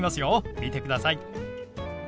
見てください。